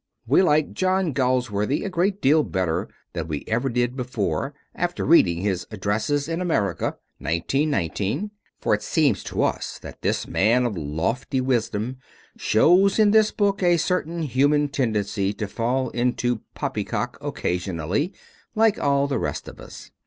We like John Galsworthy a great deal better than we ever did before after reading his Addresses in America, 1919, for it seems to us that this man of lofty wisdom shows in this book a certain human tendency to fall into poppycock occasionally, like all the rest of us.